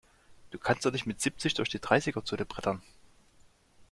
Du kannst doch nicht mit siebzig durch die Dreißiger-Zone brettern!